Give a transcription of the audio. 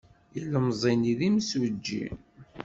Ilemẓi-nni d imsujji.